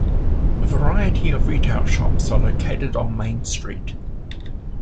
A variety of retail shops are located on Main Street.